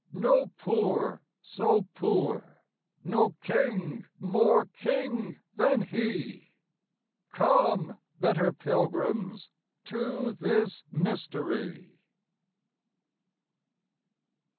No poor so poor, no king more king than He: Come, better pilgrims, to this mystery.